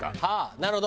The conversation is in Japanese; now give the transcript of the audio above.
なるほど！